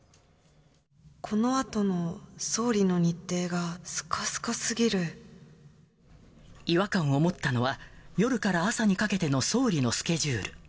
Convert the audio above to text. このあとの総理の日程がすか違和感を持ったのは、夜から朝にかけての総理のスケジュール。